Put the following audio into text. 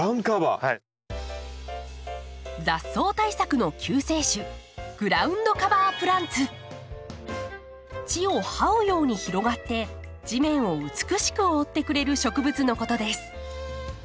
雑草対策の救世主地をはうように広がって地面を美しく覆ってくれる植物のことです。